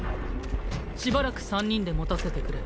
しばらく三人でもたせてくれ。